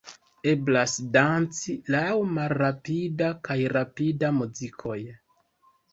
Eblas danci laŭ malrapida kaj rapida muzikoj.